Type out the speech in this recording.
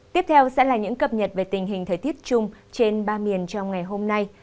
tiếp theo sẽ là những cập nhật về tình hình thời tiết chung trên ba miền trong ngày hôm nay